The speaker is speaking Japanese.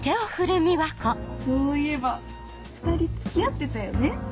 そういえば２人付き合ってたよね？